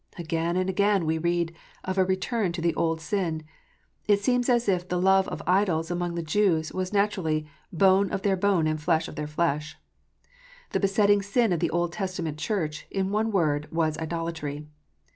Again and again we read of a return to the old sin. It seems as if the love of idols among the Jews was naturally bone of their bone and flesh of their flesh. The besetting sin of the Old Testament Church, in one word, wa.s idolatry.